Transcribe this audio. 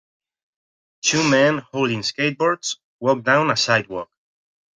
Two men holding skateboards walk down a sidewalk.